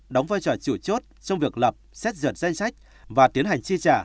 đóng vai trò chủ chốt trong việc lập xét duyệt danh sách và tiến hành chi trả